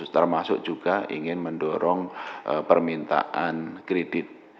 termasuk juga ingin mendorong permintaan kredit